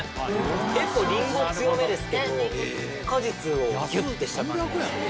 結構、リンゴ強めですけど、果実をぎゅってした感じ。